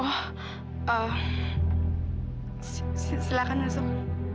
oh silahkan masuk